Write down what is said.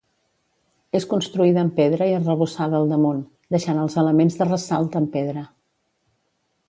És construïda amb pedra i arrebossada al damunt, deixant els elements de ressalt amb pedra.